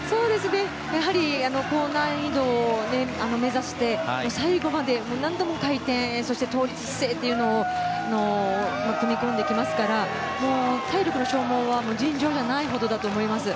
やはり高難易度を目指して最後まで何度も回転そして倒立姿勢というのを組み込んできますから体力の消耗は尋常ないほどだと思います。